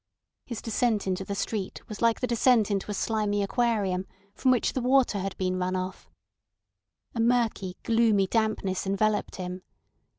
His descent into the street was like the descent into a slimy aquarium from which the water had been run off. A murky, gloomy dampness enveloped him.